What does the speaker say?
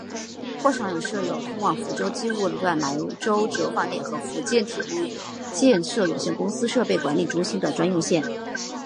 货场设有通往福州机务段来舟折返点和福建铁路建设有限公司设备管理中心的专用线。